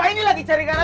inilah blu beritih armsan